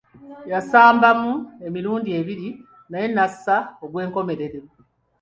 Yasambamu emirundi ebiri naye n’assa ogw’enkomerero.